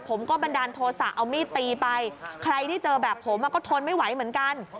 บันดาลโทษะเอามีดตีไปใครที่เจอแบบผมก็ทนไม่ไหวเหมือนกัน